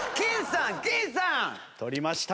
取りました。